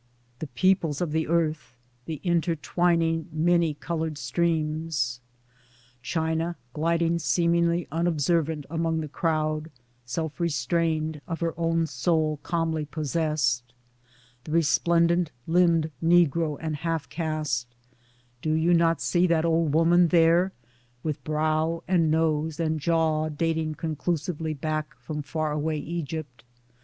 The peoples of the Earth ; the intertwining many colored streams ! China, gliding seemingly unobservant among the crowd, self restrained, of her own soul calmly possessed ; the resplen dent limbed Negro and half caste (do you not see that old woman there with brow and nose and jaw dating conclusively back from far away Egypt